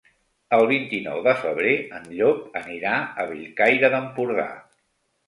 El vint-i-nou de febrer en Llop anirà a Bellcaire d'Empordà.